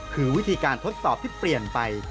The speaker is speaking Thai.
คือวิธีการทดสอบที่เปลี่ยนไป